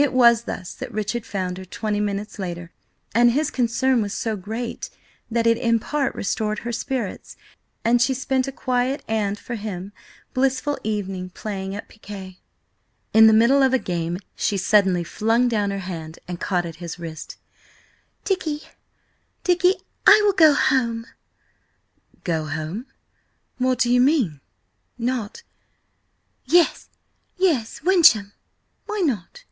It was thus that Richard found her, twenty minutes later, and his concern was so great that it in part restored her spirits, and she spent a quiet and, for him, blissful evening, playing at piquet. In the middle of a game she suddenly flung down her hand and caught at his wrist. "Dicky, Dicky–I will go home!" "Go home? What do you mean? Not—" "Yes, yes–Wyncham! Why not?"